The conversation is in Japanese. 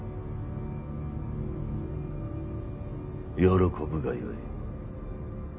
喜ぶがよい。